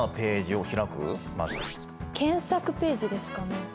検索ページですかね。